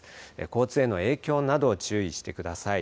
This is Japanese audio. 交通への影響など注意してください。